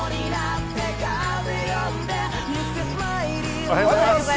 おはようございます。